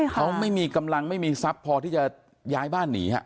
เขาไม่มีกำลังไม่มีทรัพย์พอที่จะย้ายบ้านหนี